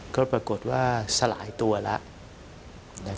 ก็ปรากฏว่าสลายตัวแล้ว